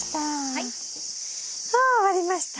はい。は終わりました。